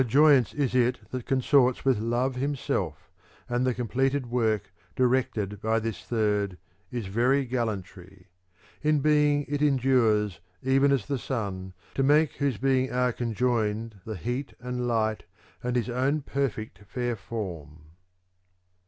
THE COMPLEMENT OF ODES 407 A joyance is it that consorts With love himself: and the completed work, di rected by this third,^ is very gallantry. In being it endures even as the sun, to make whose being are conjoined the heat and light and his own perfect fair form.